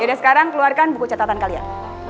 yaudah sekarang keluarkan buku catatan kalian